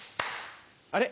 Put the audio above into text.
あれ？